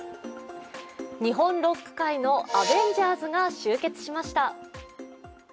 日本ロック界のアベンジャーズが集結しました。